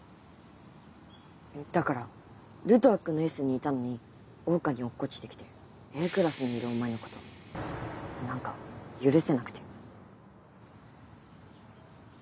だからルトワックのＳにいたのに桜花に落っこちて来てＡクラスにいるお前のこと何か許せなくて。